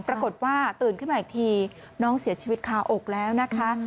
ปรากฏว่าตื่นขึ้นมาอีกทีน้องเสียชีวิตคาอกแล้วนะคะ